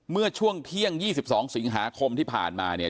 เมื่อช่วงเที่ยง๒๒สิงหาคมที่ผ่านมาเนี่ย